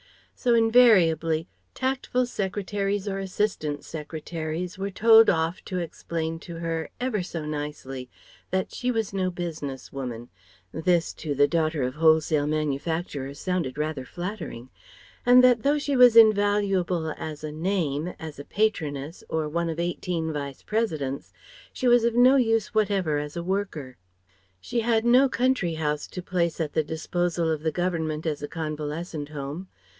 So, invariably, tactful secretaries or assistant secretaries were told off to explain to her ever so nicely that "she was no business woman" (this, to the daughter of wholesale manufacturers, sounded rather flattering), and that though she was invaluable as a "name," as a patroness, or one of eighteen Vice Presidents, she was of no use whatever as a worker. She had no country house to place at the disposal of the Government as a convalescent home.